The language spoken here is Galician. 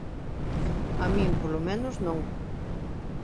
A min, polo menos, non.